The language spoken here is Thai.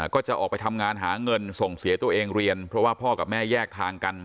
ก็จะออกไปทำงานหาเงินส่งเสียตัวเองเรียนเพราะว่าพ่อกับแม่แยกทางกัน